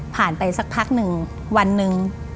ไปสักพักหนึ่งวันหนึ่ง